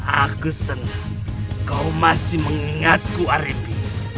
aku senang kau masih mengingatku arabi